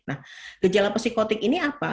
nah gejala psikotik ini apa